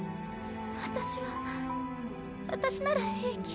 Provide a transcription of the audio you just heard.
私は私なら平気。